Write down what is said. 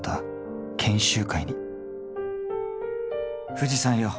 富士山よ。